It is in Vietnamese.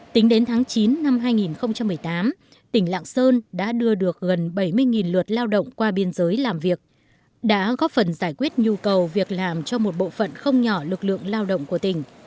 tính đến tháng chín năm hai nghìn một mươi tám tỉnh lạng sơn đã đưa được gần bảy mươi lượt lao động qua biên giới làm việc đã góp phần giải quyết nhu cầu việc làm cho một bộ phận không nhỏ lực lượng lao động của tỉnh